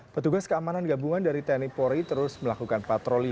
petugas keamanan gabungan dari tni polri terus melakukan patroli